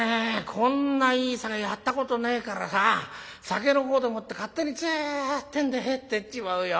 こんないい酒やったことねえからさ酒の方でもって勝手にツンってんで入ってっちまうよ。